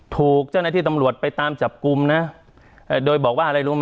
ถูกเจ้าหน้าที่ตำรวจไปตามจับกลุ่มนะโดยบอกว่าอะไรรู้ไหม